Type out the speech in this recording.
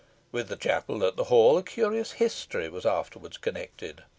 With the chapel at the hall a curious history was afterwards connected.